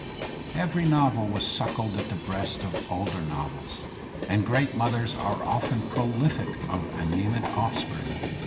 Every novel was suckled at the breasts of older novels, and great mothers . are often prolific of anaemic offspring.